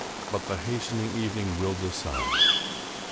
But the hastening evening will decide.